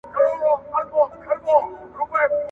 • توپکه مه دي سر سه، مه دي کونه.